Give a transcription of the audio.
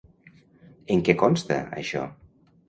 En què consta això?